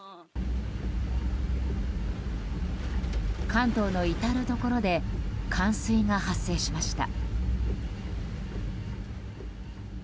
関東の至るところで冠水が発生しました。